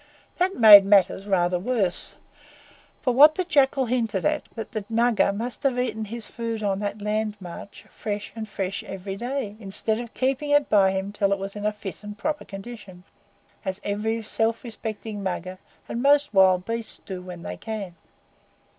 That made matters rather worse, for what the Jackal hinted at was that the Mugger must have eaten his food on that land march fresh and fresh every day, instead of keeping it by him till it was in a fit and proper condition, as every self respecting mugger and most wild beasts do when they can.